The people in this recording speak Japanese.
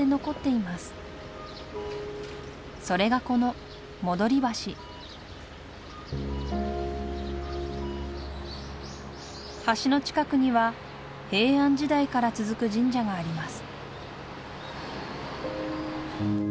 それがこの戻橋橋の近くには平安時代から続く神社があります